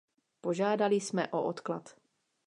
Požádali jsme o odklad.